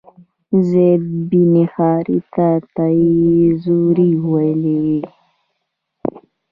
زید بن حارثه ته یې زوی ویلي و.